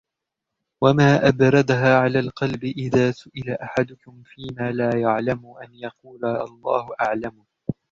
وَمَا أَبْرَدَهَا عَلَى الْقَلْبِ إذَا سُئِلَ أَحَدُكُمْ فِيمَا لَا يَعْلَمُ أَنْ يَقُولَ اللَّهُ أَعْلَمُ